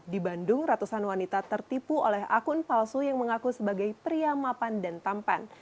di bandung ratusan wanita tertipu oleh akun palsu yang mengaku sebagai pria mapan dan tampan